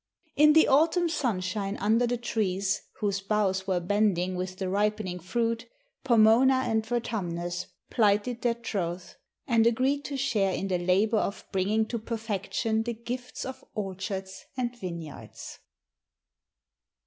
In the autumn sunshine under the trees, whose boughs were bending with the ripening fruit, Pomona and Vertumnus plighted their troth, and agreed to share in the labour of bringing to perfection the gifts of orchards and vineyards.